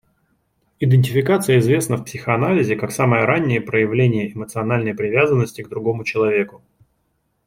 Идентификация известна в психоанализе как самое раннее проявление эмоциональной привязанности к другому человеку.